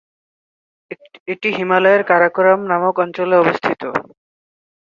এটি হিমালয়ের কারাকোরাম নামক অঞ্চলে অবস্থিত।